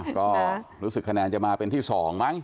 ก็รู้สึกคะแนนจะมาเป็นที่๒มั้ง